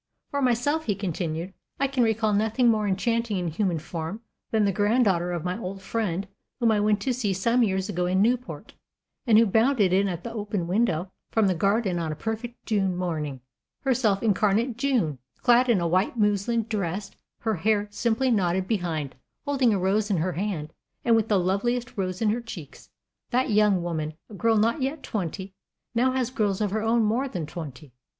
"For myself," he continued, "I can recall nothing more enchanting in human form than the granddaughter of my old friend whom I went to see some years ago in Newport, and who bounded in at the open window from the garden on a perfect June morning herself incarnate June clad in a white muslin dress, her hair simply knotted behind, holding a rose in her hand, and with the loveliest rose in her cheeks. That young woman, a girl not yet twenty, now has girls of her own more than twenty.